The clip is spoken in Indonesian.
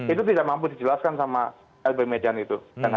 itu tidak mampu dijelaskan sama lb medan itu